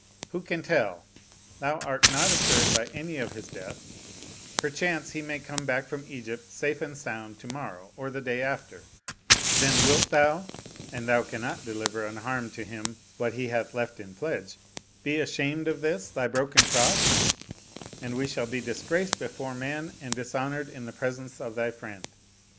Who can tell? Thou art not assured by any of his death; perchance he may come back from Egypt safe and sound to morrow or the day after; then wilt thou, an thou cannot deliver unharmed to him what he hath left in pledge, be ashamed of this thy broken troth, and we shall be disgraced before man and dis honored in the presence of thy friend.